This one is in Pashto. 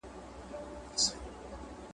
چي پیدا سوه